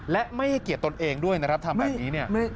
และไม่ให้เกียรติตนเองด้วยนะครับทำแบบนี้เนี่ย